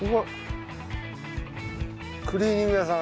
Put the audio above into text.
クリーニング屋さん。